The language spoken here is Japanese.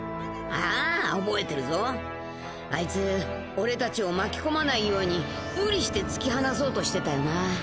「あいつ俺たちを巻き込まないように無理して突き放そうとしてたよな」